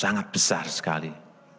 sangat besar sekali